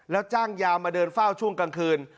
แล้วจ้างยามาเดินเฝ้าช่วงกลางคืน